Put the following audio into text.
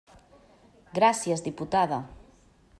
Gràcies, diputada.